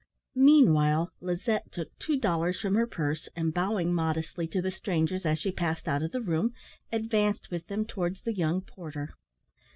Meanwhile Lizette took two dollars from her purse, and bowing modestly to the strangers as she passed out of the room, advanced with them towards the young porter.